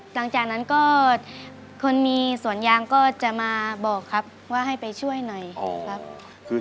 หลังจากนั้นก็คนมีสวนยางก็จะมาบอกครับว่าให้ไปช่วยหน่อยครับ